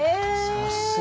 さすが！